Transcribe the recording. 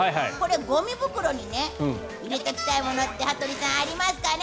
ゴミ袋に入れておきたいものって羽鳥さん、ありますかね？